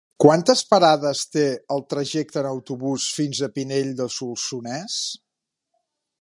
Quantes parades té el trajecte en autobús fins a Pinell de Solsonès?